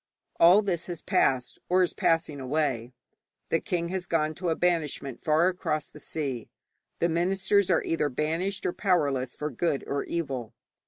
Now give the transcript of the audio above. All this has passed, or is passing away. The king has gone to a banishment far across the sea, the ministers are either banished or powerless for good or evil.